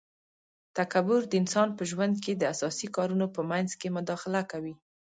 تکبر د انسان په ژوند کي د اساسي کارونو په منځ کي مداخله کوي